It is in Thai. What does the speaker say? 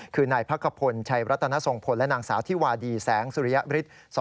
คือนายพักขพลชัยรัตนทรงพลและนางสาวที่วาดีแสงสุริยฤทธิ์